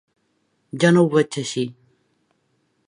Jo no ho veig així.